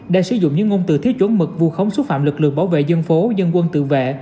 đã sử dụng những ngôn từ thiếu chuẩn mực vu khống xúc phạm lực lượng bảo vệ dân phố dân quân tự vệ